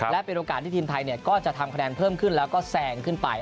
และเป็นโอกาสที่ทีมไทยก็จะทำคะแนนเพิ่มขึ้นแล้วก็แซงขึ้นไป